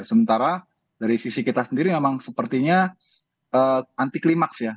sementara dari sisi kita sendiri memang sepertinya anti klimaks ya